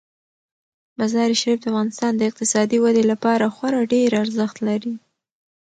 مزارشریف د افغانستان د اقتصادي ودې لپاره خورا ډیر ارزښت لري.